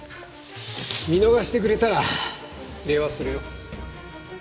見逃してくれたら礼はするよ。